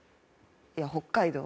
いや北海道。